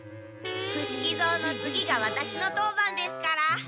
伏木蔵の次がワタシの当番ですから。